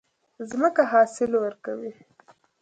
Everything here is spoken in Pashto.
ځمکه حاصل ورکوي.